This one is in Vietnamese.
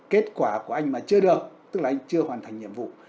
kết quả của anh mà chưa được tức là anh chưa hoàn thành nhiệm vụ